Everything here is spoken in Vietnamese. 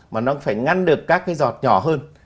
mà nó phải ngăn được các cái giọt nhỏ hơn